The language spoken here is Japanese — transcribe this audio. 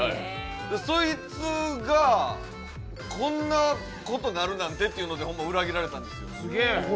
そいつがこんなことなるなんてというので、裏切られたんですよ。